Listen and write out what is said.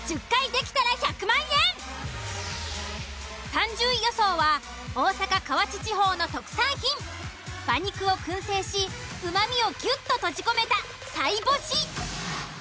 ３０位予想は大阪・河内地方の特産品馬肉を燻製しうまみをギュッと閉じ込めたさいぼし。